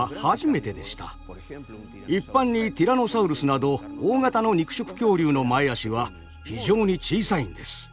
一般にティラノサウルスなど大型の肉食恐竜の前あしは非常に小さいんです。